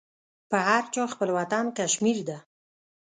په هر چا خپل وطن کشمير ده.